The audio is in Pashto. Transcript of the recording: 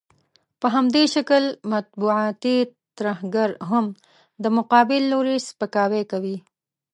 په همدې شکل مطبوعاتي ترهګر هم د مقابل لوري سپکاوی کوي.